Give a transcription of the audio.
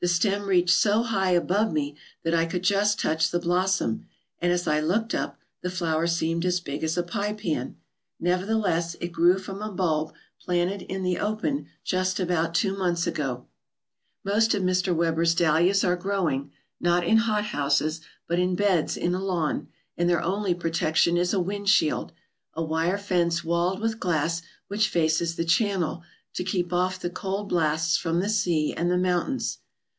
The stem reached so high above me that I could just touch the blossom, and, as I looked up, the flower seemed as big as a pie pan. Nevertheless, it grew from a bulb planted in the open just about two months ago. Most of Mr. Weber's dahlias are growing, not in hot houses, but in beds in a lawn, and their only protection is a windshield, a wire fence walled with glass which faces the channel to keep off the cold blasts from the sea and the mountains.